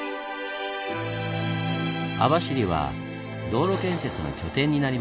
網走は道路建設の拠点になりました。